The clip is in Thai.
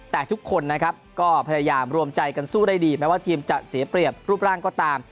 แต่ทุกคนนะครับก็พยายามรวมใจกันสู้ได้ดีแม้ว่าทีมจะเสียเปรียบรูปร่างก็ตาม